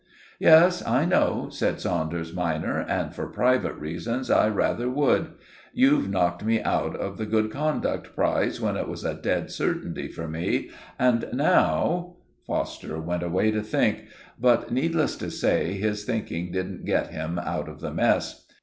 "Yes, I know," said Saunders minor; "and for private reasons I rather would. You've knocked me out of the Good Conduct Prize when it was a dead certainty for me; and now——" Foster went away to think; but, needless to say, his thinking didn't get him out of the mess.